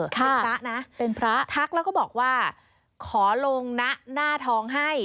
ค่ะเป็นพระนะทักแล้วก็บอกว่าขอลงนะหน้าทองให้